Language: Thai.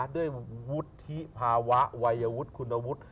ด้วยวุฒิภาวะวัยวุฒิคุณวุฒิ